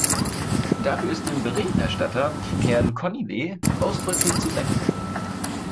Dafür ist dem Berichterstatter, Herrn Cornillet, ausdrücklich zu danken.